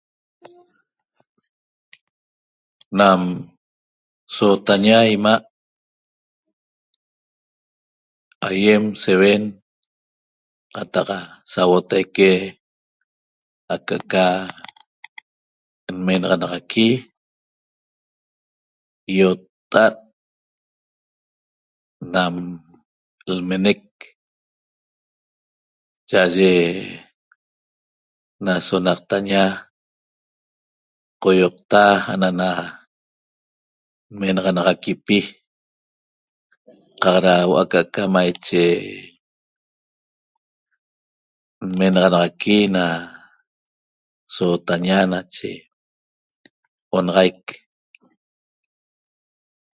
Nam sotaña ima' aýem se ven qatagaq sahuotaque aca ca nmenaxaqui iota' nam nmeneq chaaye na sonaqteña coyoqta na neteña na menaxanaxaqui ca da huo'o aca ca maiche menaxanaxaqui na sotaña nache onaxaiq